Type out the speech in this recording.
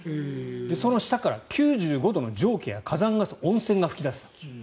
その下から９５度の蒸気や火山ガス温泉が噴き出した。